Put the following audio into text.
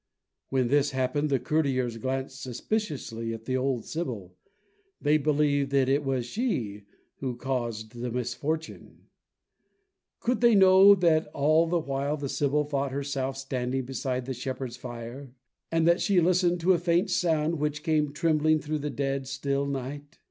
When this happened, the courtiers glanced suspiciously at the old sibyl. They believed that it was she who caused the misfortune. Could they know that all the while the sibyl thought herself standing beside the shepherds' fire, and that she listened to a faint sound which came trembling through the dead still night?